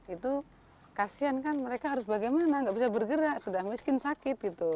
itu kasian kan mereka harus bagaimana nggak bisa bergerak sudah miskin sakit gitu